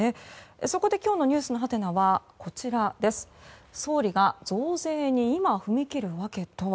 そこで今日のｎｅｗｓのハテナは総理が増税に今踏み切る訳とは。